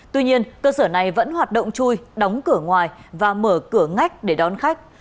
tuy nhiên cơ sở này vẫn hoạt động chui đóng cửa ngoài và mở cửa ngách để đón khách